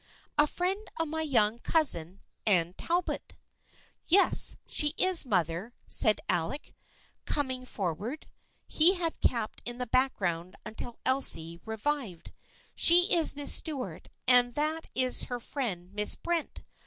A friend of my young cousin, Anne Talbot." "Yes, she is, mother," said Alec, coming for ward. He had kept in the background until Elsie revived. "She is Miss Stuart and that is her friend Miss Brent.